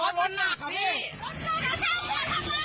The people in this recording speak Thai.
ไม่ดูทางแสงไม่ได้แล้วรถเราหนักนะเปิดกระจกให้